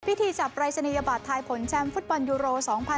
พิธีจับปรายศนียบัตรทายผลแชมป์ฟุตบอลยูโร๒๐๑๖